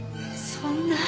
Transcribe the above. そんな。